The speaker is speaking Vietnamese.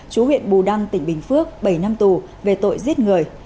chú huyện bù đăng tỉnh bình phước bảy năm tù về tội giết người